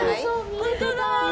本当だ。